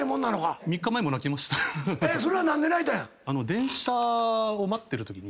電車を待ってるときに。